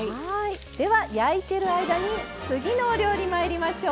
では焼いている間に次のお料理まいりましょう。